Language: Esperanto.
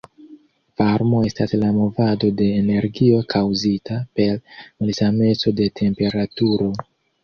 Varmo estas la movado de energio kaŭzita per malsameco de temperaturo.